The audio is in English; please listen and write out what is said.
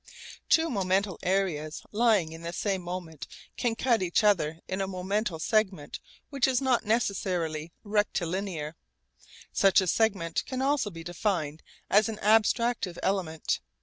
Two momental areas lying in the same moment can cut each other in a momental segment which is not necessarily rectilinear. Such a segment can also be defined as an abstractive element.